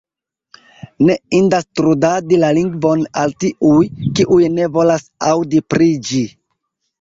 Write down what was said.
Ne indas trudadi la lingvon al tiuj, kiuj ne volas aŭdi pri ĝi.